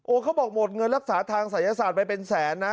เขาบอกหมดเงินรักษาทางศัยศาสตร์ไปเป็นแสนนะ